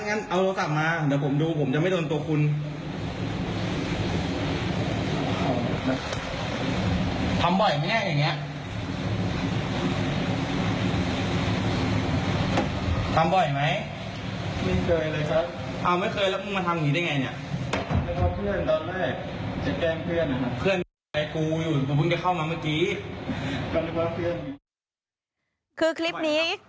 คุณเข้าไปที่รีเซตเดี๋ยวนี้